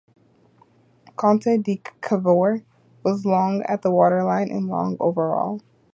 "Conte di Cavour" was long at the waterline, and long overall.